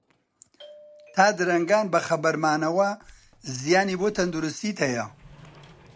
تا درەنگان بەخەبەر مانەوە زیانی بۆ تەندروستیت هەیە.